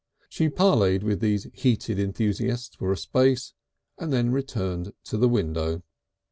She parleyed with these heated enthusiasts for a space, and then returned to the window.